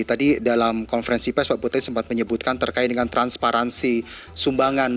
tadi dalam konferensi pes pak bupati sempat menyebutkan terkait dengan transparansi sumbangan